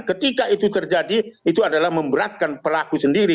ketika itu terjadi itu adalah memberatkan pelaku sendiri